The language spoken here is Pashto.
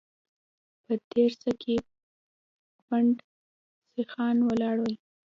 په دريڅه کې پنډ سيخان ولاړ ول.